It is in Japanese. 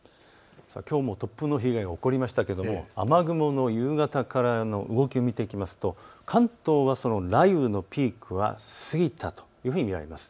きょうも突風の被害が起こりましたが雨雲の夕方からの動きを見ていきますと関東はその雷雨のピークは過ぎたというふうに見られます。